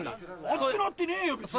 熱くなってねえよ別に。